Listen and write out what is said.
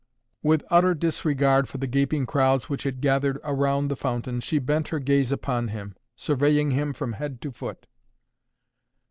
With utter disregard for the gaping crowds which had gathered around the fountain she bent her gaze upon him, surveying him from head to foot.